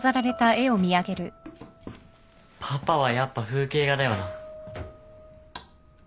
パパはやっぱ風景画だよな。